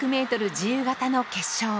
自由形の決勝。